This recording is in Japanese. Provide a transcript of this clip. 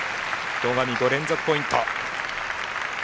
戸上、５連続ポイント。